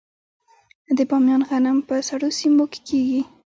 د بامیان غنم په سړو سیمو کې کیږي.